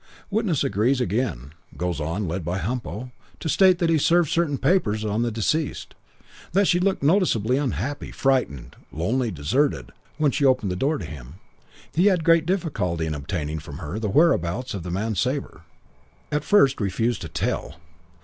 Witness agrees again. Goes on, led by Humpo, to state that he served certain papers on the deceased. That she looked noticeably unhappy, frightened, lonely, deserted, when she opened the door to him. Had great difficulty in obtaining from her the whereabouts of the man Sabre. At first refused to tell.